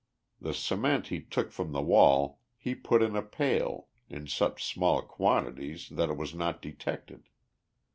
The cement he took from the wall he put in a pail in such small quantities that it was not detected.